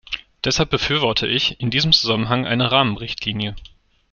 Deshalb befürworte ich in diesem Zusammenhang eine Rahmenrichtlinie.